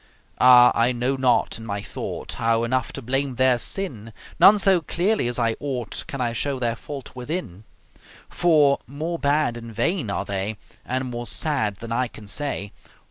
Ah! I know not in my thought How enough to blame their sin, None so clearly as I ought Can I show their fault within; For, more bad and vain are they And more sad than I can say.